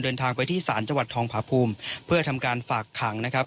เดินทางไปที่ศาลจังหวัดทองผาภูมิเพื่อทำการฝากขังนะครับ